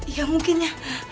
iya mungkin ya